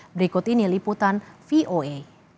berikut ini liputan voe